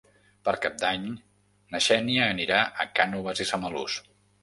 Per Cap d'Any na Xènia anirà a Cànoves i Samalús.